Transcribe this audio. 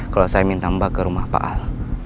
kalau saya minta mbak ke rumah pak al